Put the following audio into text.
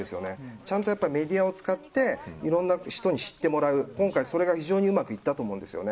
ちゃんとメディアを使っていろんな人に知ってもらう今回それがうまくいったと思うんですよね。